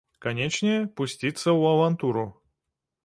Канечне, пусціцца ў авантуру.